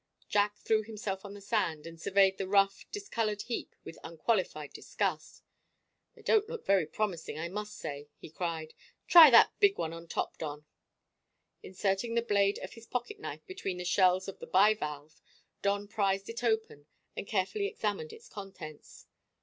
Jack threw himself on the sand, and surveyed the rough, discoloured heap with unqualified disgust. "They don't look very promising, I must say," he cried. "Try that big one on top, Don." Inserting the blade of his pocket knife between the shells of the bivalve, Don prized it open and carefully examined its contents.